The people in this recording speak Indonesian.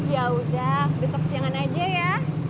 yaudah besok siangan aja ya